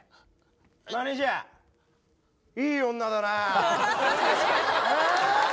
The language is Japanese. マネージャーいい女だなえっ？